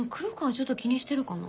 ちょっと気にしてるかな？